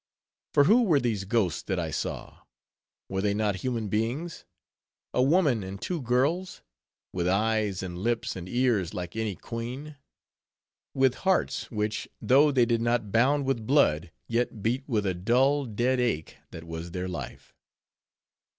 For who were these ghosts that I saw? Were they not human beings? A woman and two girls? With eyes, and lips, and ears like any queen? with hearts which, though they did not bound with blood, yet beat with a dull, dead ache that was their life.